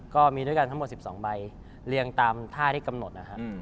ก็มีด้วยกันทั้งหมด๑๒ใบเรียงตามท่าที่กำหนดนะครับ